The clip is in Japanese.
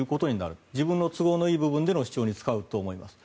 自分の都合のいい部分での主張に使うと思います。